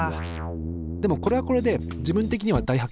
でもこれはこれで自分的には大発見！